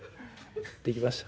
できました